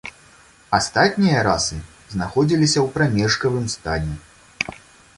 Астатнія расы знаходзіліся ў прамежкавым стане.